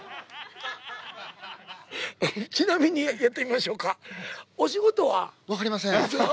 ちなみにやってみましょうか？